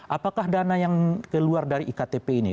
apakah dana yang keluar dari iktp ini